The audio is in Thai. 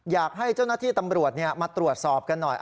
อยากให้เจ้าหน้าที่ตำรวจมาตรวจสอบกันหน่อย